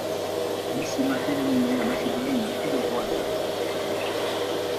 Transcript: Lysimaque éliminé, la Macédoine n'a plus de roi à sa tête.